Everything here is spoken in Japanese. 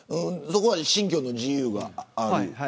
そこは信教の自由がある。